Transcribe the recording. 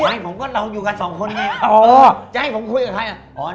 ไม่ผมก็เราอยู่กันสองคนไงอ๋อจะให้ผมคุยกับใครอ่ะอ๋อ